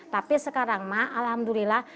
tapi sekarang mah alhamdulillah